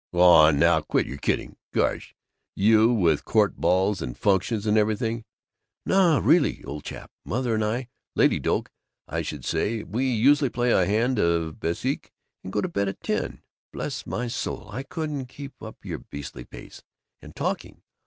"Go on now, quit your kidding! Gosh, you with court balls and functions and everything " "No, really, old chap! Mother and I Lady Doak, I should say, we usually play a hand of bezique and go to bed at ten. Bless my soul, I couldn't keep up your beastly pace! And talking!